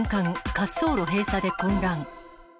滑走路閉鎖で混乱。